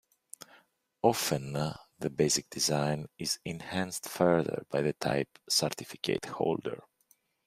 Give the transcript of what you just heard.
Often the basic design is enhanced further by the type certificate holder.